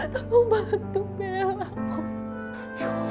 tolong bantu bella ko